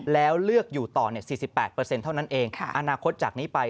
แล้วเลือกอยู่ต่อ๔๘เท่านั้นเองอนาคตจากนี้ไป